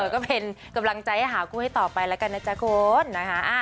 ก็เป็นกำลังใจให้หาคู่ให้ต่อไปแล้วกันนะจ๊ะคุณนะคะ